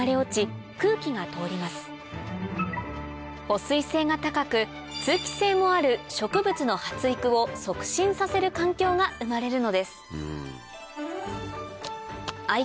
保水性が高く通気性もある植物の発育を促進させる環境が生まれるのです愛